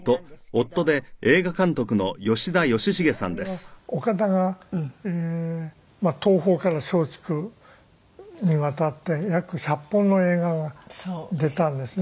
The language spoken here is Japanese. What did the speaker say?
あれは岡田が東宝から松竹に渡って約１００本の映画が出たんですね。